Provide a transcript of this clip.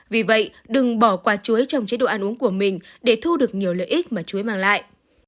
vì vậy đừng bỏ qua chuối trong chế độ ăn uống của mình để thu được nhiều lợi ích mà chuối mang lại